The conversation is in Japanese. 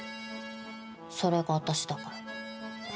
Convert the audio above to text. それが私だから。